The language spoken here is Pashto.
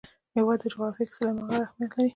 د هېواد جغرافیه کې سلیمان غر اهمیت لري.